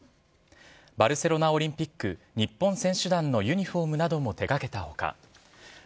バルセロナオリンピック日本選手団のユニホームなども手掛けた他